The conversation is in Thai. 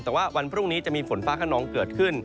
แต่ว่าวันพรุ่งนี้จะมีฝนฟ้าขนองเกิดขึ้น